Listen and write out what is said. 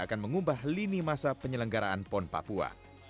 akan mengubah lini masa penyelenggaraan pon papua